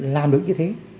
làm được như thế